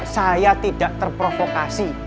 saya tidak terprovokasi